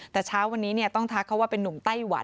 แต่เช้าวันนี้ต้องทักเขาว่าเป็นนุ่มไต้หวัน